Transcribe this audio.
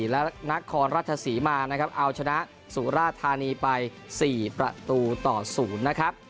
และนครราชศรีมานะครับเอาชนะสุราธานีไป๔ประตูต่อ๐นะครับ